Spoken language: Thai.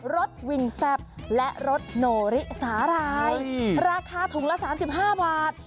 รสวิงแซ่บและรสโนริสาหร่ายราคาถุงละ๓๕บาท